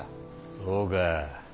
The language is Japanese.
そうか。